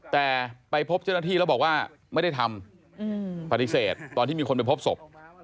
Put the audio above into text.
แต่ไปพบเจ้าหน้าที่แล้วบอกว่าไม่ได้ทำปฏิเสธตอนที่มีคนไปพบศพ